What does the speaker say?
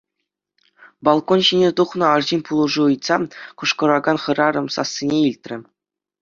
Балкон ҫине тухнӑ арҫын пулӑшу ыйтса кӑшкӑракан хӗрарӑм сассине илтрӗ.